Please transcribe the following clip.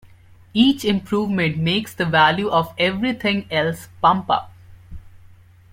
Each improvement makes the value of everything else pump up.